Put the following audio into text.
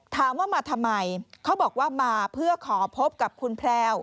ถามว่ามาทำไมเขาบอกว่ามาเพื่อขอพบกับคุณแพรว